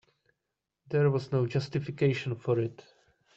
There was no justification for it.